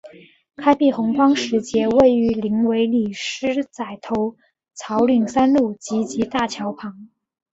开辟鸿荒石碣位于林尾里狮仔头草岭山路集集大桥旁。